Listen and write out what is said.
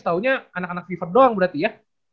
taunya anak anak fiver doang berarti ya